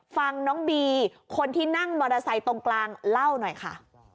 ฟังน้องบีคนที่นั่งมอเตอร์ไซค์ตรงกลางเล่าหน่อยค่ะ